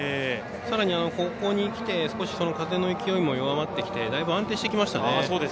さらにここにきて風の勢いも弱まってきてだいぶ安定してきましたね。